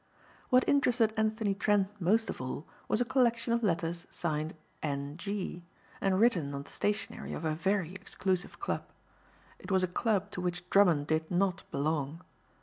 What interested Anthony Trent most of all was a collection of letters signed "N.G." and written on the stationery of a very exclusive club. It was a club to which Drummond did not belong.